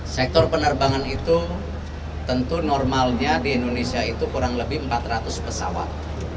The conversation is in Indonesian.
sektor penerbangan itu tentu normalnya di indonesia itu kurang lebih empat ratus pesawat